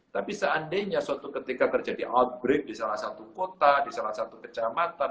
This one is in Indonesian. tapi seandainya suatu ketika terjadi outbreak di salah satu kota di salah satu kecamatan